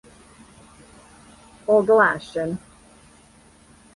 оглашен